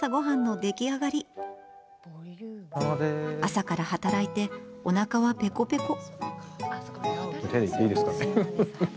朝から働いて、おなかはペコペコ。